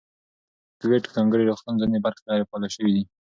د کوویډ ځانګړي روغتون ځینې برخې غیر فعالې شوې دي.